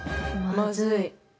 まずい。